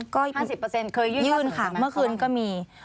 เคยยื่นข้อเสริมมันครั้งนั้นไหมครับก็ยื่นค่ะเมื่อคืนก็มี